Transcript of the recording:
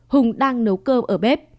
hùng đang nấu cơm ở bếp